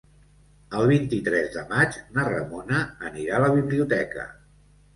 El vint-i-tres de maig na Ramona anirà a la biblioteca.